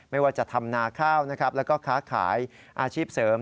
ไม่ว่าจะทำนาข้าวนะครับแล้วก็ค้าขายอาชีพเสริม